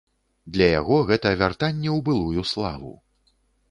Для яго гэта вяртанне ў былую славу.